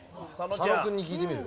佐野君に聞いてみる？